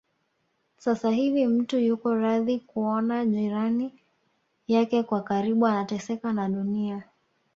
Sasa hivi mtu yuko radhi kuona jirani yake wa karibu anateseka na Dunia